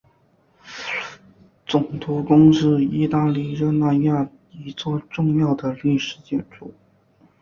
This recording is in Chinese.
总督宫是意大利热那亚一座重要的历史建筑。